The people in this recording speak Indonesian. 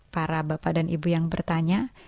para bapak dan ibu yang bertanya